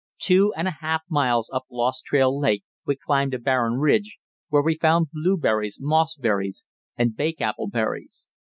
Two and a half miles up Lost Trail Lake we climbed a barren ridge, where we found blueberries, mossberries and bake apple berries.